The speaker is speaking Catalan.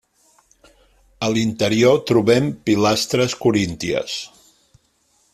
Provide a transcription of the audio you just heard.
A l'interior trobem pilastres corínties.